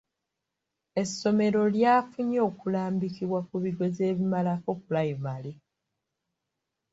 Essomero lyafunye okulambikibwa ku bigezo ebimalako pulayimale